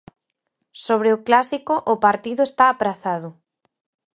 Sobre o clásico, o partido está aprazado.